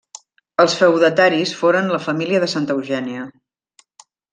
Els feudataris foren la família de Santa Eugènia.